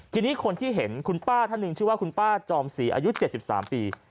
ทีนี้คนที่เห็นคุณป้าท่านหนึ่งชื่อว่าคุณป้าจอมศรีอายุ๗๓ปี